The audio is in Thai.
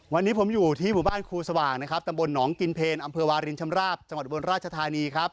วันนี้ผมอยู่ที่หมู่บ้านครูสว่างตะบลหนองกินเพลอวริงชำราบจังหวัดอุบรรณราชธานี